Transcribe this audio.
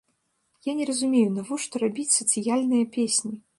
Я не разумею, навошта рабіць сацыяльныя песні!